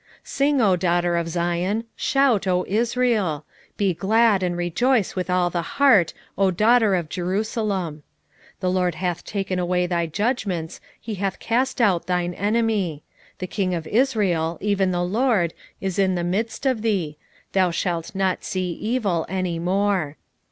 3:14 Sing, O daughter of Zion; shout, O Israel; be glad and rejoice with all the heart, O daughter of Jerusalem. 3:15 The LORD hath taken away thy judgments, he hath cast out thine enemy: the king of Israel, even the LORD, is in the midst of thee: thou shalt not see evil any more.